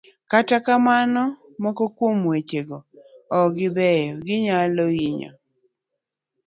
Kata kamano, moko kuom wechego ok gi beyo, kendo ginyalo hinyo